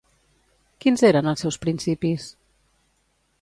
Quins eren els seus principis?